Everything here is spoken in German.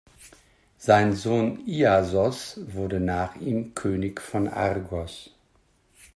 Sein Sohn Iasos wurde nach ihm König von Argos.